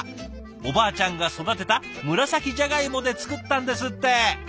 おばあちゃんが育てた紫じゃがいもで作ったんですって。